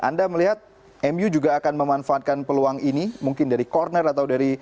anda melihat mu juga akan memanfaatkan peluang ini mungkin dari corner atau dari